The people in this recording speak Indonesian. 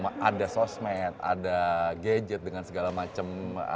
ada sosmed ada gadget dengan segala macem